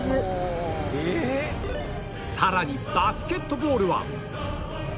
さらにバスケットボールは